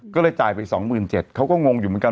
ก็เลยจ่ายไป๒๗๐๐เขาก็งงอยู่เหมือนกัน